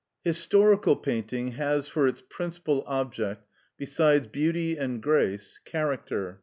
Historical painting has for its principal object, besides beauty and grace, character.